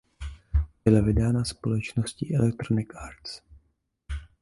Byla vydána společností Electronic Arts.